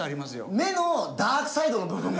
「め」のダークサイドの部分が。